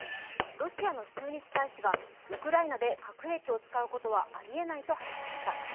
ロシアの駐日大使がウクライナで核兵器を使うことはありえないと話しました。